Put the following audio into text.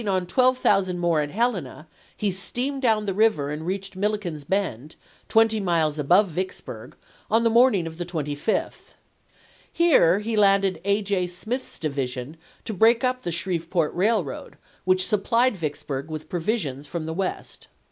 Dec, 1862. taking on 12,000 more at Helena, he steamed down the river and reached Milliken's Bend, twenty miles above Vicksburg, on the morn ing of the 25th. Here he landed A. J. Smith's divi sion to break np the Shreveport Eailroad, which supplied Vicksburg with provisions from the West.